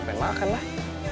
gue pengen makan lah